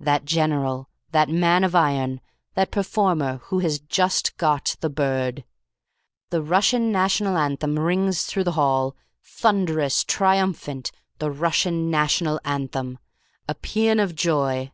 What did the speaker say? That general. That man of iron. That performer who has just got the bird. "The Russian National Anthem rings through the hall. Thunderous! Triumphant! The Russian National Anthem. A paean of joy.